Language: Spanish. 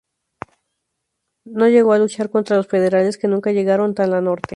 No llegó a luchar contra los federales, que nunca llegaron tan la norte.